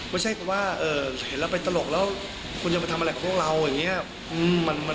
ไม่ใช่ว่าเห็นเราไปตลกแล้วคุณจะมาทำอะไรพวกเราอย่างนี้